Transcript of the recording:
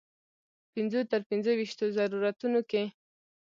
پنځو تر پنځه ویشتو ضرورتونو کې.